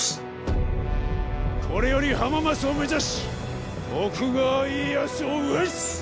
これより浜松を目指し徳川家康を討つ！